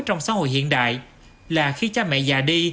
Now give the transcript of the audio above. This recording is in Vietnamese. trong xã hội hiện đại là khi cha mẹ già đi